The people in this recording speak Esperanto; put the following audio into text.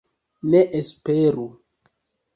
Ne esperu.